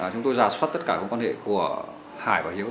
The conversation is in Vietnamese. chúng tôi rà xuất tất cả mối quan hệ của hải và hiếu